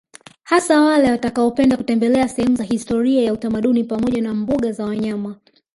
Hasa wale watakaopenda kutembelea sehemu za historia ya utamaduni pamoja na mbuga za wanyama